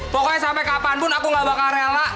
pokoknya sampe kapanpun aku ga bakal rela